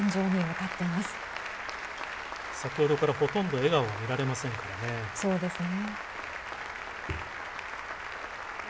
先ほどからほとんど笑顔は見られませんからね。